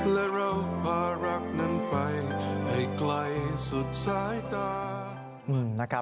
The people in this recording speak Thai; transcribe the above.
และเราพารักนั้นไปให้ใกล้สุดสายตา